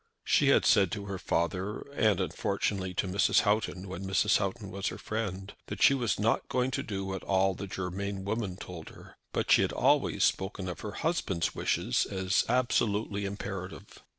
She had said to her father, and unfortunately to Mrs. Houghton when Mrs. Houghton was her friend, that she was not going to do what all the Germain women told her; but she had always spoken of her husband's wishes as absolutely imperative.